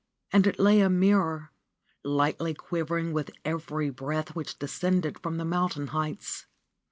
And it lay a mirror, lightly quivering with every breath which descended from the mountain heights.